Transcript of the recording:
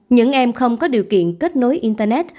những em không có điều kiện kết nối internet